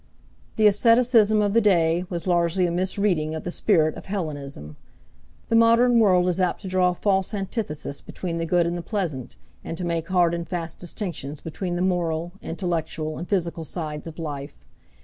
The aestheticism of the day was largely a misreading of the spirit of Hellenism. The modern world is apt to draw a false antithesis between the good and the pleasant, and to make hard and fast distinctions between the moral, intellectual, and physical sides of life.